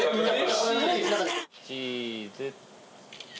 チーズ。